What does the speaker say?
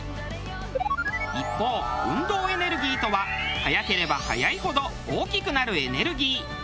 一方運動エネルギーとは速ければ速いほど大きくなるエネルギー。